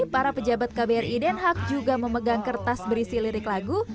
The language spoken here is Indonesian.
para pejabat kbri den haag juga memegang kertas berisi lirik lagu